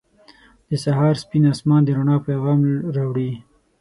• د سهار سپین آسمان د رڼا پیغام راوړي.